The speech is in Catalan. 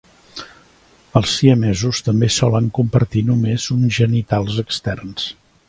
Els siamesos també solen compartir només uns genitals externs.